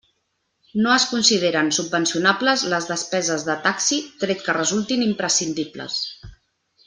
No es consideren subvencionables les despeses de taxi tret que resultin imprescindibles.